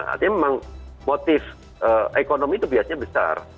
artinya memang motif ekonomi itu biasanya besar